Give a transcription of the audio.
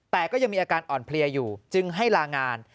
แต่ก็ยังมีอาการอ่อนเพลียอยู่จึงให้ลางาน